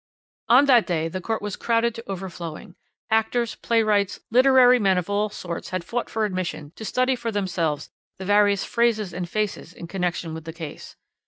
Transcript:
"On that day the court was crowded to overflowing; actors, playwrights, literary men of all sorts had fought for admission to study for themselves the various phases and faces in connection with the case.